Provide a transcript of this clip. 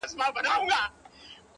او سر یې د انسان پاتې شې